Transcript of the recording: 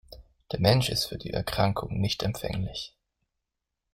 Der Mensch ist für die Erkrankung nicht empfänglich.